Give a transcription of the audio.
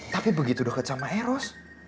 tapi begitu dekat sama eros